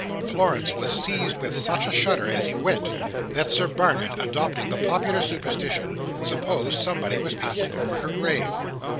Florence was seized with such a shudder as he went, that Sir Barnet, adopting the popular superstition, supposed somebody was passing over her grave.